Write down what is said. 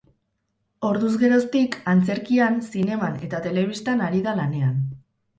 Orduz geroztik, antzerkian, zineman eta telebistan ari da lanean.